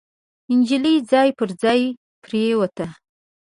نجلۍ ځای پر ځای پريوته.